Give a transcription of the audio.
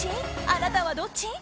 あなたはどっち？